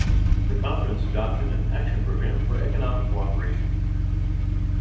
The conference adopted an Action Programme for Economic Co-operation.